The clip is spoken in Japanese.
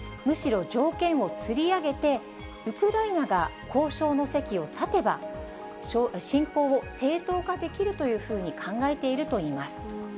むしろ条件をつり上げて、ウクライナが交渉の席を立てば、侵攻を正当化できるというふうに考えているといいます。